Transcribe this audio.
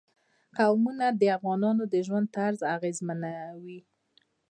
قومونه د افغانانو د ژوند طرز اغېزمنوي.